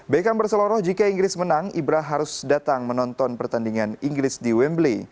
beckham berseloroh jika inggris menang ibrah harus datang menonton pertandingan inggris di wembley